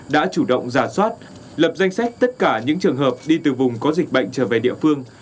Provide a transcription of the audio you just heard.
đã chủ động giả soát lập danh sách tất cả những trường hợp đi từ vùng có dịch bệnh trở về địa phương